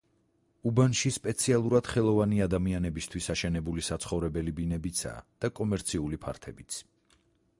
უბანში სპეციალურად ხელოვანი ადამიანებისთვის აშენებული საცხოვრებელი ბინებიცაა და კომერციული ფართებიც.